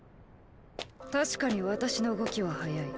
たしかに私の動きは速い。